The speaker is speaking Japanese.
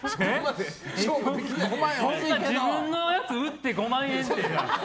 自分のやつ売って５万円って。